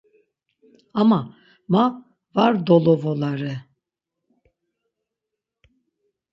Ama ma var dolovolare.